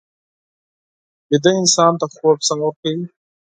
ویده انسان ته خوب ساه ورکوي